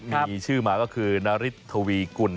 มีชื่อมาก็คือนาริสทวีกุล